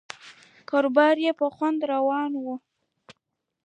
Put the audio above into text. کاروبار یې په خوند روان و.